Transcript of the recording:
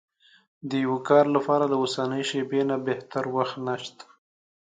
د يوه کار لپاره له اوسنۍ شېبې نه بهتر وخت نشته.